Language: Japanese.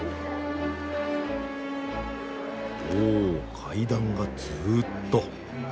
お階段がずっと。